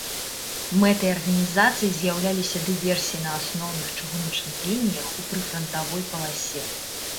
Мэтай арганізацыі з'яўляліся дыверсіі на асноўных чыгуначных лініях ў прыфрантавой паласе.